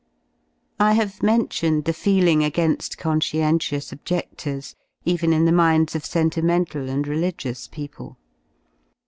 ^ I have mentioned the feeling again^ conscientious ob je<flors, even in the minds of sentimental and religious people.